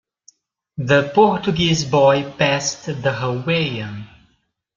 The Portuguese boy passed the Hawaiian.